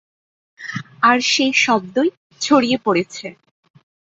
আর সেই শব্দই ছড়িয়ে পড়েছে।